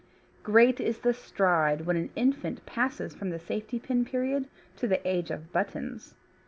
Great is the stride when an infant passes from the safety pin period to the age of buttons.